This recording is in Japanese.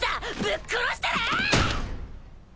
ぶっ殺したらぁ！